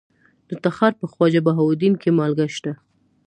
د تخار په خواجه بهاوالدین کې مالګه شته.